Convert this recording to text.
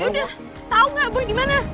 yaudah tau gak boy gimana